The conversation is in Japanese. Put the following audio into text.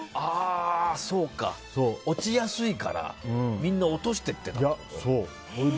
落ちやすいからみんな落としていってるってこと。